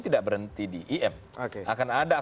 tidak berhenti di im akan ada